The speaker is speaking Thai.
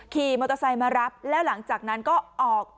ขี่มอเตอร์ไซค์มารับแล้วหลังจากนั้นก็ออก